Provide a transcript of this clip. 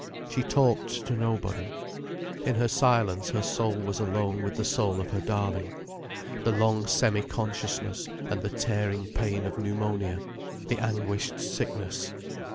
She talked to nobody. In her silence her soul was alone with the soul of her darling. The long semi consciousness and the tearing pain of pneumonia, the anguished sickness.